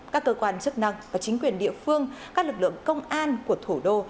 các cơ quan chức năng và chính quyền địa phương các lực lượng công an của thủ đô